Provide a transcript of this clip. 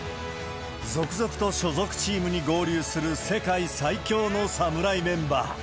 続々と所属チームに合流する世界最強の侍メンバー。